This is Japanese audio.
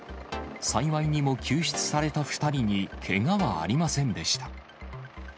幸いにも救出された２人にけがはありませんでした。